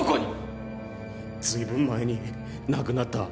随分前に亡くなった。